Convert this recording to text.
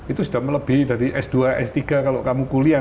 itu sudah melebihi dari s dua s tiga kalau kamu kuliah